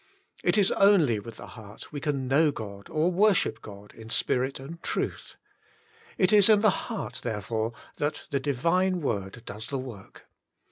It is only with the heart we can know God, or worship God, in spirit and truth. It is in the heart, therefore, that the Divine Word does the work.